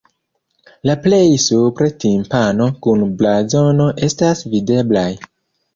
La plej supre timpano kun blazono estas videblaj.